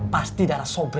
pasti darah sobri